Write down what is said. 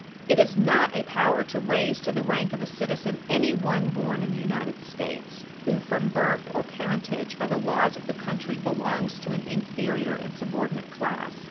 It is not a power to raise to the rank of a citizen anyone born in the United States who, from birth or parentage, by the laws of the country, belongs to an inferior and subordinate class.